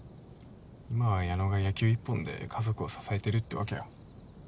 今は矢野が野球一本で家族を支えてるってわけよ。